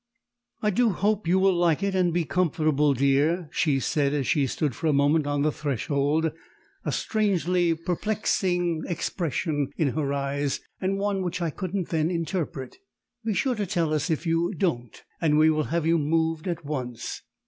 "I do hope you will like it and be comfortable, dear!" she said as she stood for a moment on the threshold, a strangely perplexing expression in her eyes, and one which I couldn't then interpret. "Be sure to tell us if you DON'T and we will have you moved at once."